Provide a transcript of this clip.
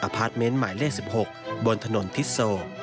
พาร์ทเมนต์หมายเลข๑๖บนถนนทิศโซ